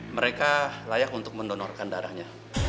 mereka layak untuk mendonorkan darahnya